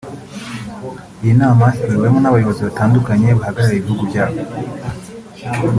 Iyi nama ihuriwemo n'abayobozi batandukanye bahagarariye ibihugu byabo